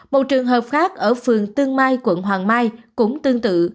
một trường hợp khác ở phường tương mai quận hoàng mai cũng tương tự